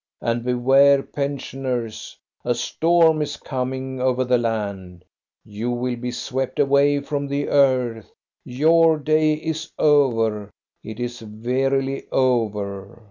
And beware, pensioners, a storm is coming over the land. You will be swept away from the earth ; your day is over, it is verily over